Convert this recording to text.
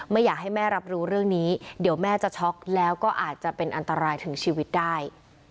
ไม่อยากให้แม่รับรู้เรื่องนี้เดี๋ยวแม่จะช็อกแล้วก็อาจจะเป็นอันตรายถึงชีวิตได้